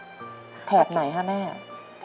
ขอเอ็กซาเรย์แล้วก็เจาะไข่ที่สันหลังค่ะ